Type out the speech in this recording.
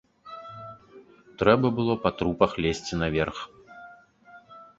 Трэба было па трупах лезці наверх.